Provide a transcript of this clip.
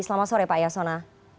selamat sore pak yasona